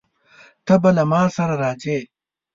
ته به له ما سره راځې؟